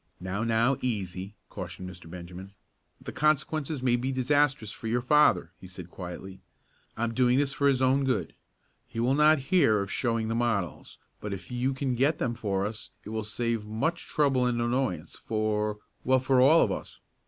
"Now, now, easy," cautioned Mr. Benjamin. "The consequences may be disastrous for your father," he said quietly. "I am doing this for his own good. He will not hear of showing the models, but if you can get them for us it will save much trouble and annoyance for well, for all of us.